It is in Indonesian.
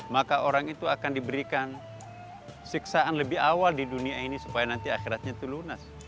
maka orang itu akan diberikan siksaan lebih awal di dunia ini supaya nanti akhiratnya itu lunas